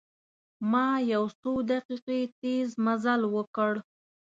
ما یو څو دقیقې تیز مزل وکړ.